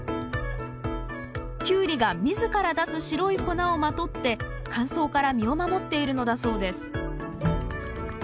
キュウリが自ら出す白い粉をまとって乾燥から身を守っているのだそうです。